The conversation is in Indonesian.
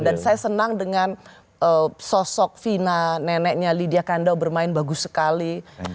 dan saya senang dengan sosok fina neneknya lydia kandow bermain bagus sekali